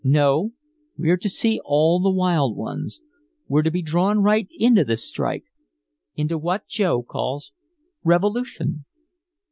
No, we're to see all the wild ones. We're to be drawn right into this strike into what Joe calls revolution."